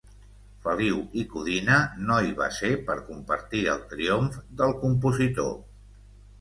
Feliu i Codina no hi va ser per compartir el triomf del compositor.